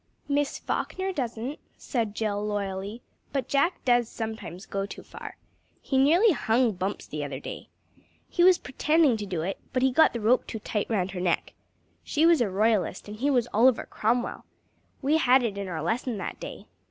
"Miss Falkner doesn't," said Jill loyally, "but Jack does sometimes go too far. He nearly hung Bumps the other day. He was pretending to do it, but he got the rope too tight round her neck. She was a Royalist and he was Oliver Cromwell. We had had it in our lesson that day.